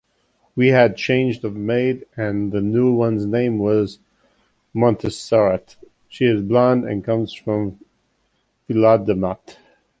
We had changed of maid and the new one’s name was Montserrat. She is blond and comes from Vilademat.